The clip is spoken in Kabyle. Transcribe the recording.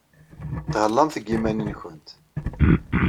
Thellamt deg yiman-nwent.